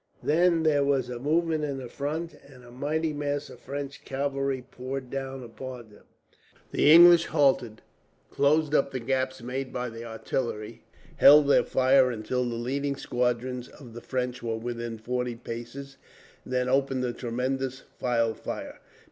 Then there was a movement in their front, and a mighty mass of French cavalry poured down upon them. The English halted, closed up the gaps made by the artillery, held their fire until the leading squadrons of the French were within forty paces, and then opened a tremendous file fire.